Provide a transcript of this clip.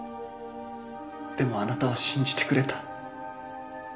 でもあなたは信じてくれた